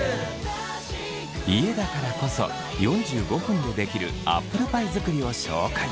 家だからこそ４５分で出来るアップルパイ作りを紹介。